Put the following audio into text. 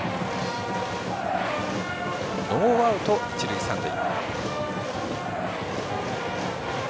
ノーアウト、一塁三塁。